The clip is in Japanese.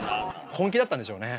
本気だったんでしょうね。